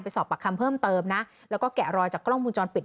สอบปากคำเพิ่มเติมนะแล้วก็แกะรอยจากกล้องมูลจรปิด